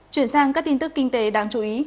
chuyển sang các tin tức kinh tế đáng chú ý